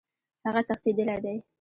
هغه تښتېدلی دی.